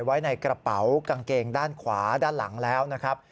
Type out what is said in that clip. ไว้ในกระเป๋ากางเกงด้านขวาด้านหลังแล้วนะครับ